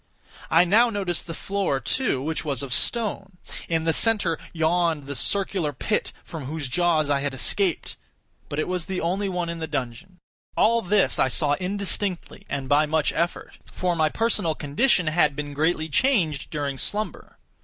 I now noticed the floor, too, which was of stone. In the centre yawned the circular pit from whose jaws I had escaped; but it was the only one in the dungeon. All this I saw indistinctly and by much effort—for my personal condition had been greatly changed during slumber.